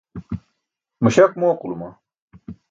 Muśak mooquluma.